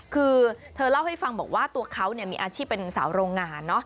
คือเธอเล่าให้ฟังบอกว่าตัวเขามีอาชีพเป็นสาวโรงงาน